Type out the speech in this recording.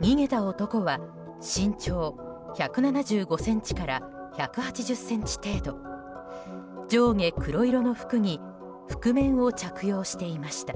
逃げた男は身長１７５ｃｍから１８０ｃｍ程度上下黒色の服に覆面を着用していました。